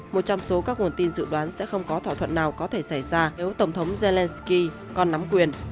một trong số các nguồn tin dự đoán sẽ không có thỏa thuận nào có thể xảy ra nếu tổng thống zelensky còn nắm quyền